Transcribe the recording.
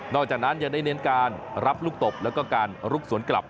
จากนั้นยังได้เน้นการรับลูกตบแล้วก็การลุกสวนกลับ